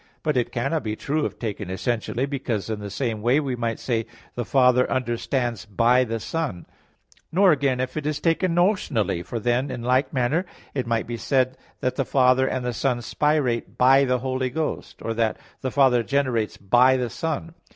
But it cannot be true if taken essentially, because in the same way we might say that "the Father understands by the Son"; nor, again, if it is taken notionally, for then, in like manner, it might be said that "the Father and the Son spirate by the Holy Ghost," or that "the Father generates by the Son."